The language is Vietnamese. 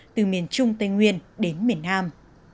từ miền trung tây nguyên đến miền nam